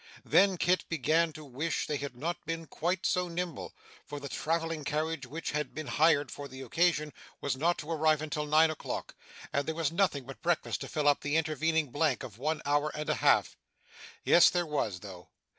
Then Kit began to wish they had not been quite so nimble; for the travelling carriage which had been hired for the occasion was not to arrive until nine o'clock, and there was nothing but breakfast to fill up the intervening blank of one hour and a half. Yes there was, though.